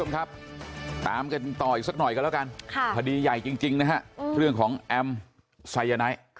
เขาเคยเอาอะไรให้กินไหม